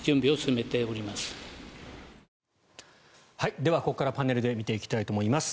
では、ここからパネルで見ていきたいと思います。